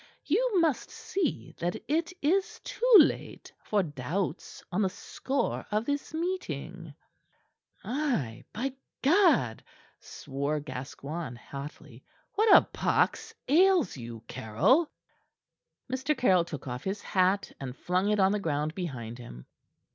You must see that it is too late for doubts on the score of this meeting." "Ay by God!" swore Gascoigne hotly. "What a pox ails you, Caryll?" Mr. Caryll took off his hat and flung it on the ground behind him.